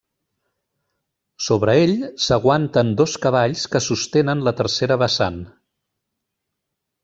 Sobre ell s'aguanten dos cavalls que sostenen la tercera vessant.